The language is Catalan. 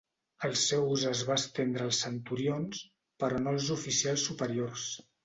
El seu ús es va estendre als centurions però no als oficials superiors.